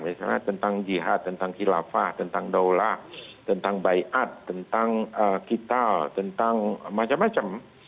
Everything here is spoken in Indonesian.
misalnya tentang jihad tentang khilafah tentang daulah tentang baiat tentang kita tentang macam macam